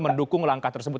mendukung langkah tersebut